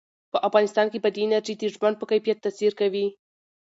په افغانستان کې بادي انرژي د ژوند په کیفیت تاثیر کوي.